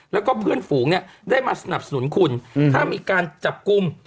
แล้วก็เพื่อนฝูงเนี่ยได้มาสนับสนุนคุณถ้ามีการจับกลุ่ม